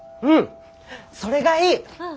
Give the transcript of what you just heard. うんそれがいい！